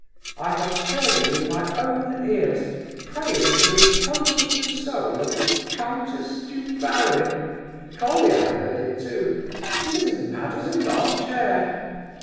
I have heard him with my own ears praying for the repose of the soul of the Countess du Barry! Colia heard it too. He is as mad as a March hare!"